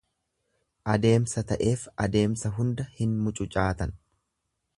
Adeemsa ta'eef adeemsa hunda hin mucucaatan.